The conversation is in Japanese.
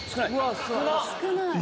少ない！